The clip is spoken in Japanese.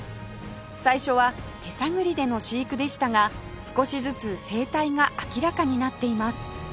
最初は手探りでの飼育でしたが少しずつ生態が明らかになっています